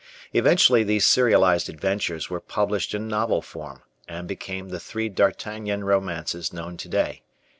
Eventually these serialized adventures were published in novel form, and became the three D'Artagnan Romances known today.